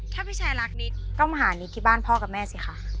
ถ้าพี่ชายรักนิดก็มาหานิดที่บ้านพ่อกับแม่สิค่ะ